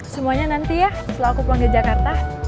semuanya nanti ya setelah aku pulang ke jakarta